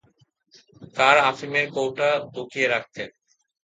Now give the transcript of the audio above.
কার আফিমের কৌটা লুকিয়ে রাখতেন?